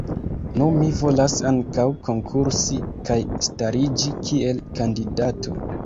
Nu mi volas ankaŭ konkursi kaj stariĝi kiel kandidato.